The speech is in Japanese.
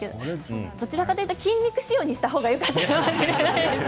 どちらかというと筋肉仕様にした方がよかったでしょうか？